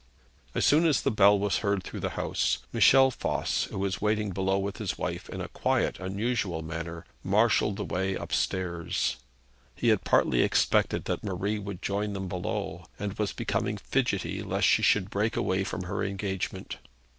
As soon as the bell was heard through the house, Michel Voss, who was waiting below with his wife in a quiet unusual manner, marshalled the way upstairs. He had partly expected that Marie would join them below, and was becoming fidgety lest she should break away from her engagement.